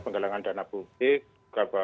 penggalangan dana publik